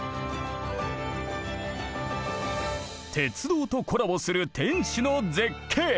鉄道とコラボする天守の絶景。